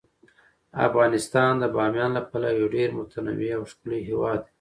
افغانستان د بامیان له پلوه یو ډیر متنوع او ښکلی هیواد دی.